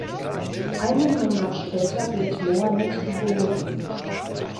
Einen Monat später wird Mohammed geboren.